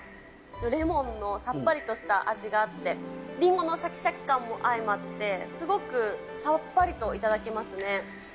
レモンのさっぱりとした味があって、りんごのしゃきしゃき感もあいまって、すごくさっぱりと頂けますね。